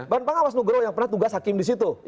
badan pengawas nugroh yang pernah tugas hakim di situ